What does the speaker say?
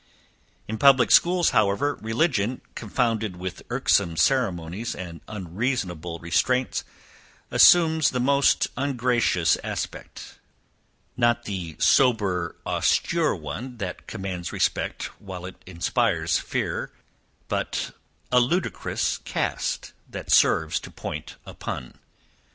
In public schools, however, religion, confounded with irksome ceremonies and unreasonable restraints, assumes the most ungracious aspect: not the sober austere one that commands respect whilst it inspires fear; but a ludicrous cast, that serves to point a pun.